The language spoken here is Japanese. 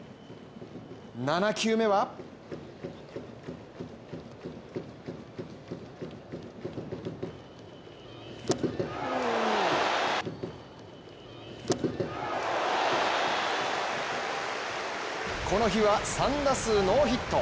７球目はこの日は３打数ノーヒット。